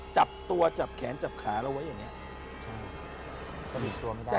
จับตัวจับแขนจับขาแล้วไว้อย่างเนี้ย